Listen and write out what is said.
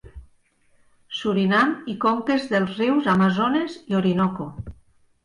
Surinam i conques dels rius Amazones i Orinoco.